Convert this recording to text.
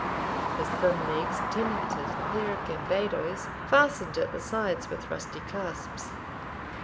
His thin legs tenanted a pair of gambadoes, fastened at the sides with rusty clasps.